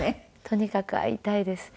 とにかく会いたいです。